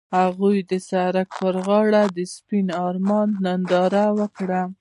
هغوی د سړک پر غاړه د سپین آرمان ننداره وکړه.